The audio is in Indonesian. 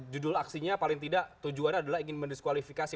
judul aksinya paling tidak tujuannya adalah ingin mendiskualifikasi